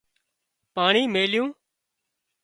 پاڻي ميليُون